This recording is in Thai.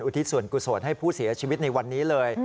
ทิศส่วนกุศลให้ผู้เสียชีวิตในวันนี้เลย